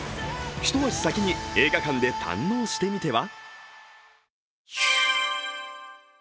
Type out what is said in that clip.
一足先に映画館で堪能してみては？